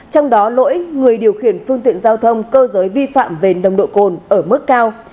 trong đó lỗi người điều khiển phương tiện giao thông cơ giới vi phạm về nồng độ cồn ở mức cao